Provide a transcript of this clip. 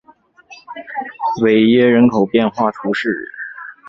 韦耶人口变化图示